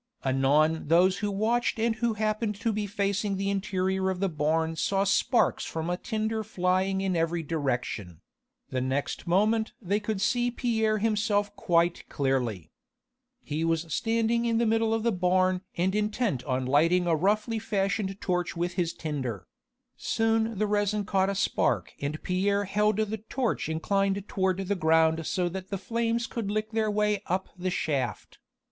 Anon those who watched and who happened to be facing the interior of the barn saw sparks from a tinder flying in every direction: the next moment they could see Pierre himself quite clearly. He was standing in the middle of the barn and intent on lighting a roughly fashioned torch with his tinder: soon the resin caught a spark and Pierre held the torch inclined toward the ground so that the flames could lick their way up the shaft.